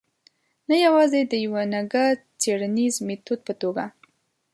نه یوازې د یوه نګه څېړنیز میتود په توګه.